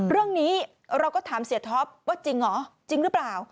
เรื่องนี้เราก็ถามเสียท็อปว่าจริงเหรอจริงหรือเปล่า